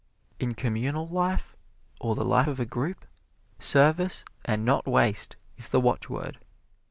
In communal life, or the life of a group, service and not waste is the watchword.